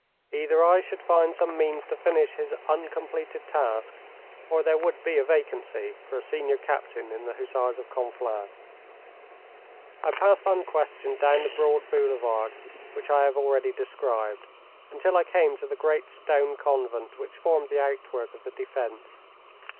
Either I should find some means to finish his uncompleted task or there would be a vacancy for a senior captain in the Hussars of Conflans. I passed unquestioned down the broad boulevard, which I have already described, until I came to the great stone convent which formed the outwork of the defence.